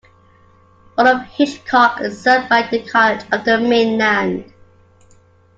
All of Hitchcock is served by the College of the Mainland.